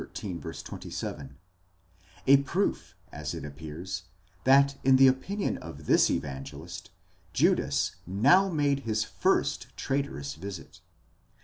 27): a proof, as it appears, that in the opinion of this Evan gelist, Judas now made his first traitorous visit.